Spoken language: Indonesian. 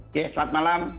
oke selamat malam